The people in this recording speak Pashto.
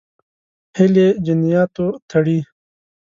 هیلې جنیاتو تړي.